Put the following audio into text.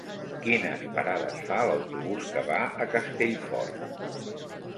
Quines parades fa l'autobús que va a Castellfort?